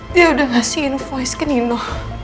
dia udah ngasih invoice ke nino